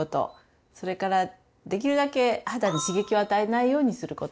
それからできるだけ肌に刺激を与えないようにすること。